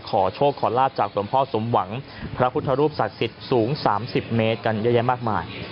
ขอโชคขอลาบจากหลวงพ่อสมหวังพระพุทธรูปศักดิ์สิทธิ์สูง๓๐เมตรกันเยอะแยะมากมาย